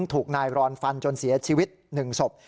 ถูกนายรอนฟันจนเสียชีวิต๑ศพ